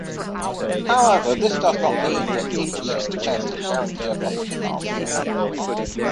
However, this does not mean that people seek tests that guarantee a positive answer.